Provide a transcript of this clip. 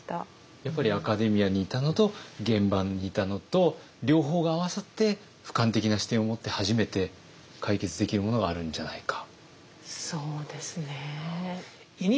やっぱりアカデミアにいたのと現場にいたのと両方が合わさって俯瞰的な視点を持って初めて解決できるものがあるんじゃないか。